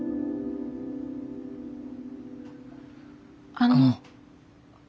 あの。